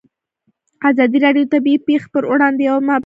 ازادي راډیو د طبیعي پېښې پر وړاندې یوه مباحثه چمتو کړې.